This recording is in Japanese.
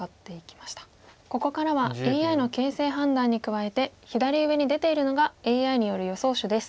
ここからはＡＩの形勢判断に加えて左上に出ているのがＡＩによる予想手です。